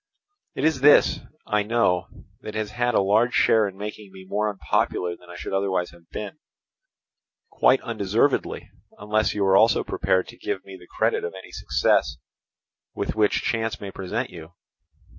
It is this, I know, that has had a large share in making me more unpopular than I should otherwise have been—quite undeservedly, unless you are also prepared to give me the credit of any success with which chance may present you.